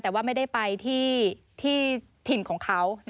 แต่ว่าไม่ได้ไปที่ถิ่นของเขา